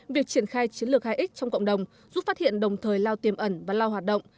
việc triển khai chiến lược hai x trong cộng đồng giúp phát hiện đồng thời lao tiềm ẩn và lao hoạt động